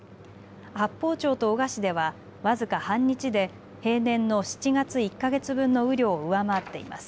八峰町と男鹿市では僅か半日で平年の７月１か月分の雨量を上回っています。